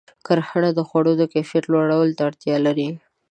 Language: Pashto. کرنه د خوړو د کیفیت لوړولو ته اړتیا لري.